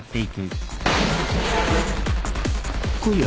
来いよ。